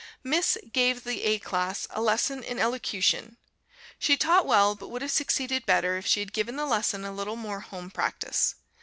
Miss gave the A class a lesson in Elocution. She taught well, but would have succeeded better if she had given the lesson a little more home practice.